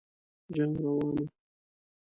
جنګ روان وو.